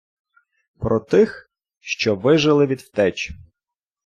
Про тих, що вижили від втеч